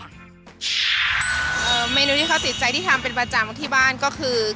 เออเมนูที่เขาสินใจที่ทำอาหารประจำที่บ้านก็คือ